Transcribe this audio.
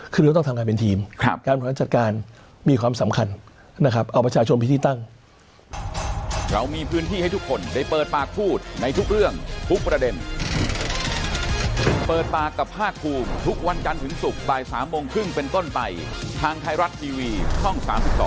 คือเราต้องทำงานเป็นทีมการบริหารจัดการมีความสำคัญนะครับเอาประชาชนไปที่ตั้ง